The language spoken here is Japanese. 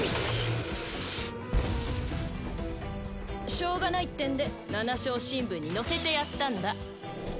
しようがないってんで「七小新聞」に載せてやったんだ。